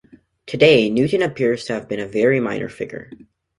Today Newton appears to have been a very minor figure.